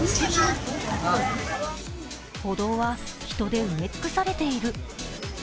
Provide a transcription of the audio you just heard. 歩道は人で埋め尽くされている。